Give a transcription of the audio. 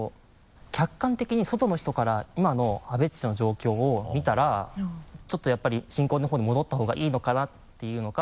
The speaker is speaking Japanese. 客観的に外の人から今の阿部っちの状況を見たらちょっとやっぱり新婚の方に戻った方がいいのかなっていうのか。